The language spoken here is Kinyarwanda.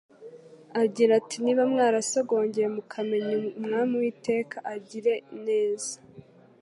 agira ati: "Niba mwarasogongcye mukamenya ko Umwami Uwiteka agira neza